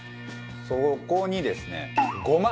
そこにですねごま。